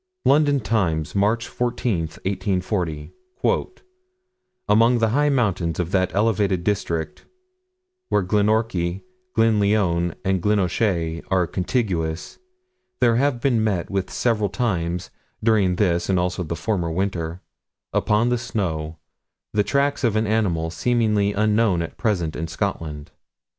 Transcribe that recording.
London Times, March 14, 1840: "Among the high mountains of that elevated district where Glenorchy, Glenlyon and Glenochay are contiguous, there have been met with several times, during this and also the former winter, upon the snow, the tracks of an animal seemingly unknown at present in Scotland.